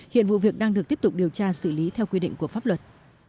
hiện vụ việc đang được tiếp tục điều tra xử lý theo quy định của pháp luật